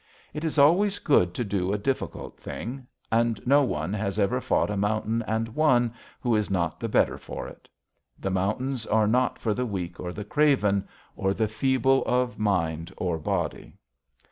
It is always good to do a difficult thing. And no one has ever fought a mountain and won who is not the better for it. The mountains are not for the weak or the craven, or the feeble of mind or body.